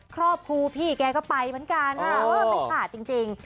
ครอบครัวพี่แกก็ไปเหมือนกันไม่ขาดจริง